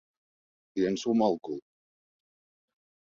Li ensumo el cul.